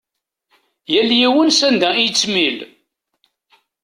Yal yiwen s anda i yettmil.